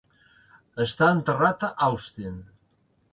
Està enterrat a Austin.